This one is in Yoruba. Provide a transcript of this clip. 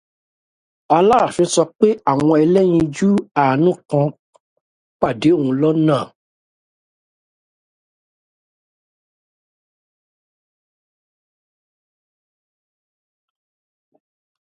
Aláàfin sọ pé àwọn ẹlẹ́yinjú àánú kan pàdé òun lọ́nà